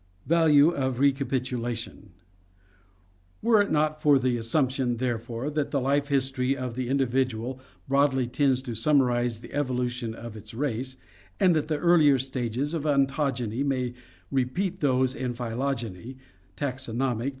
Value of Recapitulation Were it not for the assumption, therefore, that the life history of the individual broadly tends to summarize the evolution of its race, and that the earlier stages in ontogeny may repeat those in the phylogeny, taxonomic (i.